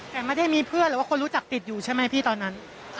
แต่ไม่ได้มีเพื่อนหรือว่าคนรู้จักติดอยู่ใช่ไหมพี่ตอนนั้น